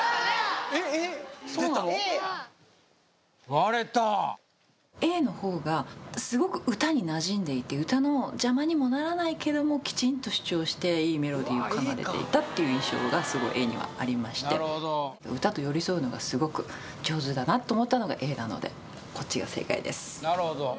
割れたＡのほうがすごく歌に馴染んでいて歌の邪魔にもならないけどもきちんと主張していいメロディーを奏でていたっていう印象がすごいＡにはありまして歌と寄り添うのがすごく上手だなと思ったのがＡなのでこっちが正解ですうわ